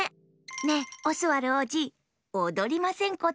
ねえオスワルおうじおどりませんこと？